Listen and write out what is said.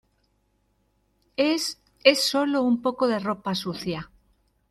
es... es solo un poco de ropa sucia .